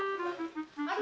udah dikit lagi sini sini